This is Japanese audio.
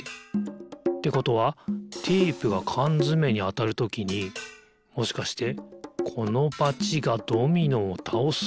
ってことはテープがかんづめにあたるときにもしかしてこのバチがドミノをたおす？